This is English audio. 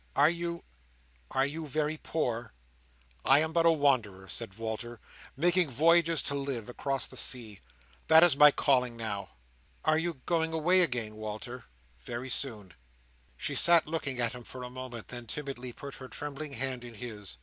Are you—are you very poor?" "I am but a wanderer," said Walter, "making voyages to live, across the sea. That is my calling now." "Are you soon going away again, Walter?" "Very soon." She sat looking at him for a moment; then timidly put her trembling hand in his.